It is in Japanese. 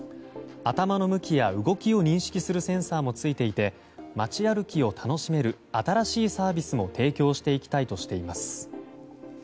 頭の向きや動きを認識するセンサーもつけていて街歩きを楽しめる新しいサービスも提供していきたいとしています。